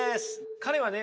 彼はね